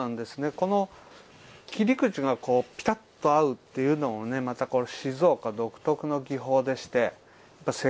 この切り口がピタッと合うっていうのもねまたこれ静岡独特の技法でして世界中でも自慢できるもので。